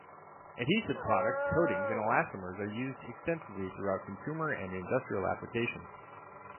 Adhesive products, coatings, and elastomers are used extensively throughout consumer and industrial applications.